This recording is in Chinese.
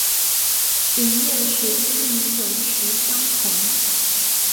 营业时间与泳池相同。